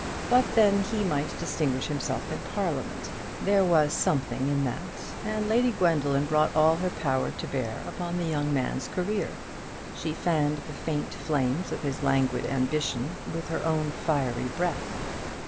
But then he might distinguish himself in Parliament. There was something in that; and Lady Gwendoline brought all her power to bear upon the young man's career. She fanned the faint flames of his languid ambition with her own fiery breath.